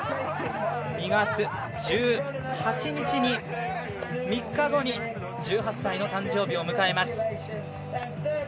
２月１８日、３日後に１８歳の誕生日を迎えます。